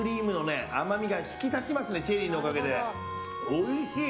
おいしい！